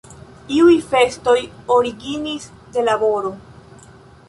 Iuj festoj originis de laboro.